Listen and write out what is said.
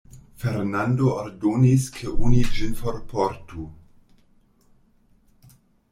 Fernando ordonis, ke oni ĝin forportu.